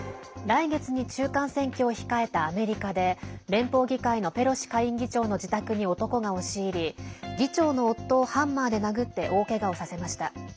来月に中間選挙を控えたアメリカで連邦議会のペロシ下院議長の自宅に男が押し入り議長の夫をハンマーで殴って大けがをさせました。